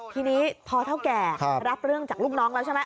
ทีนี้พอเท่าแก่รับเรื่องจากลูกน้องแล้วใช่ไหม